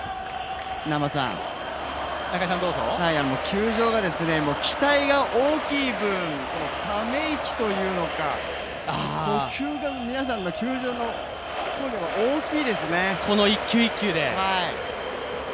球場が期待が大きい分、ため息というのか、呼吸が皆さんの、球場の、大きいですね。